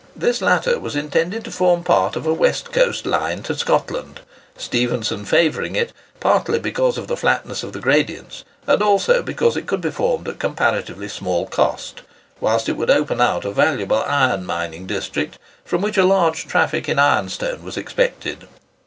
This latter was intended to form part of a west coast line to Scotland; Stephenson favouring it partly because of the flatness of the gradients, and also because it could be formed at comparatively small cost, whilst it would open out a valuable iron mining district, from which a large traffic in ironstone was expected.